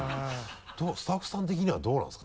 スタッフさん的にはどうなんですか？